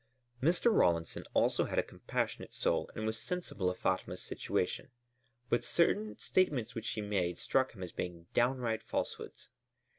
Mr. Rawlinson also had a compassionate soul and was sensible of Fatma's situation, but certain statements which she made struck him as being downright falsehoods.